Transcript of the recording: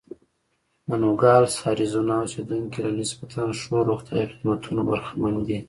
د نوګالس اریزونا اوسېدونکي له نسبتا ښو روغتیايي خدمتونو برخمن دي.